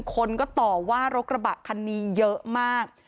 คนก็ต่อว่ารถกระบะคันนี้เยอะมาก